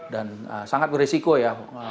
dan sangat berisiko ya